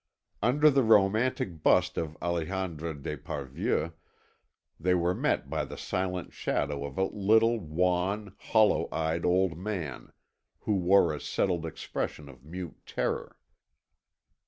Under the romantic bust of Alexandre d'Esparvieu, they were met by the silent shadow of a little wan, hollow eyed old man, who wore a settled expression of mute terror.